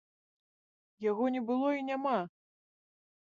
Яго не было і няма!